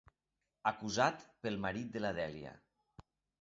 Acusat pel marit de la Dèlia.